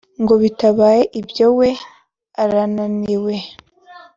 ngo bitabaye ibyo we arananiwe